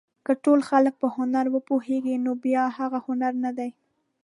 که ټول خلک په هنر وپوهېږي نو بیا هغه هنر نه دی.